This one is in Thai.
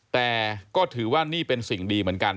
แต่ก็ถือว่านี่เป็นสิ่งดีเหมือนกัน